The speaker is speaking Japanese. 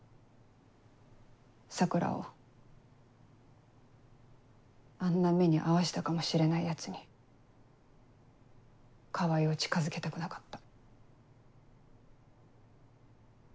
桜をあんな目に遭わしたかもしれないヤツに川合を近づけたくなかった。